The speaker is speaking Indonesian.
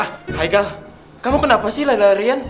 haikal kamu kenapa sih larian